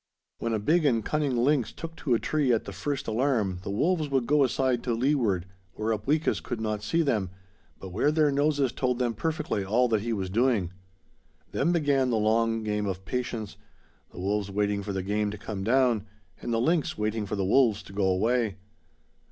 When a big and cunning lynx took to a tree at the first alarm the wolves would go aside to leeward, where Upweekis could not see them, but where their noses told them perfectly all that he was doing. Then began the long game of patience, the wolves waiting for the game to come down, and the lynx waiting for the wolves to go away.